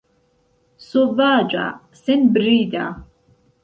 Sovaĝa, senbrida!